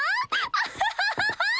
アハハハハ！